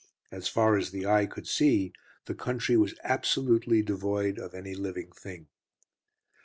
As far as the eye could see the country was absolutely devoid of any living thing.